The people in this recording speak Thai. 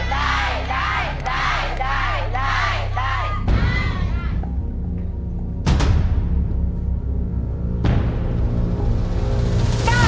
ได้ครับ